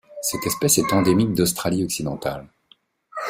Cette espèce est endémique d'Australie-Occidentale.